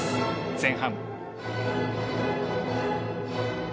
前半。